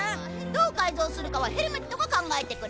どう改造するかはヘルメットが考えてくれる